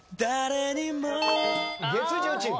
月１０チーム！